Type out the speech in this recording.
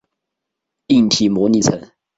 硬体模拟层。